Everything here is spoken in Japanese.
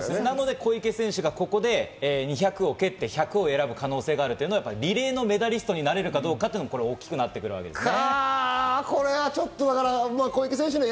小池選手が、ここで２００を蹴って１００を選ぶ可能性があるというのはリレーのメダリストになれるかどうかっていうところですね。